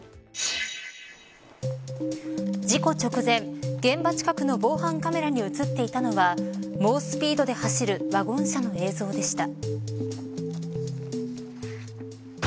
事故直前、現場近くの防犯カメラに映っていたのは猛スピードで走るワゴン車の映像でした。